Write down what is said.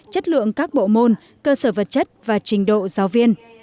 chất lượng các bộ môn cơ sở vật chất và trình độ giáo viên